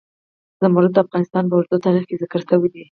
زمرد د افغانستان په اوږده تاریخ کې ذکر شوی دی.